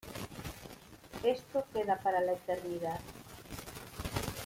Esto queda para la eternidad".